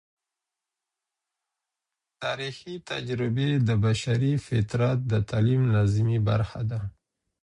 تاریخي تجربې د بشري فطرت د تعلیم لازمي برخه ده.